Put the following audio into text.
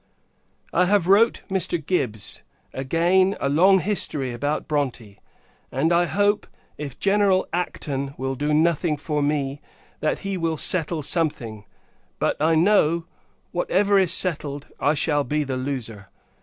I have wrote Mr. Gibbs, again, a long history about Bronte; and, I hope, if General Acton will do nothing for me, that he will settle something: but, I know, whatever is settled, I shall be the loser.